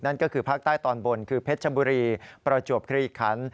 นั่นก็คือภาคใต้ตอนบนคือเพชรบุรีประจวบคลีคัน